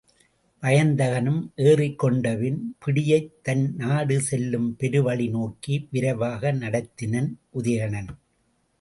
வயந்தகனும் ஏறிக்கொண்டபின் பிடியைத் தன்நாடு செல்லும் பெருவழி நோக்கி விரைவாக நடத்தினன் உதயணன்.